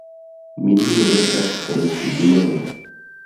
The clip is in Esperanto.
Mi nun loĝas en Sidnejo